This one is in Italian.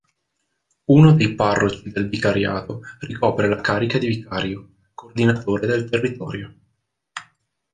Uno dei parroci del vicariato ricopre la carica di vicario, coordinatore del territorio.